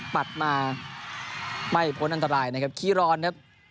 ปัดมาไม่พ้นอันตรายนะครับขี้ร้อนครับ